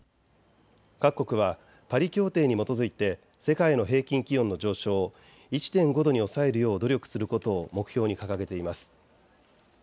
各国はパリ協定に基づいて世界の平均気温の上昇を１．５度に抑えるよう努力することを目標に掲げています。